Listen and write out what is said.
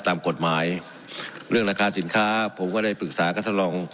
ตามกฎหมายเรื่องราคาสินค้าผมก็ได้ปรึกษากับท่านรอง